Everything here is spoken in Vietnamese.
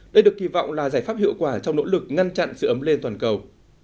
đây được kỳ vọng là giải pháp hiệu quả trong nỗ lực ngăn chặn sự ấm lên toàn cầu